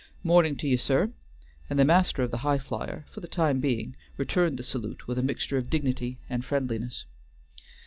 "Mornin' to you, sir," and the master of the Highflyer, for the time being, returned the salute with a mixture of dignity and friendliness.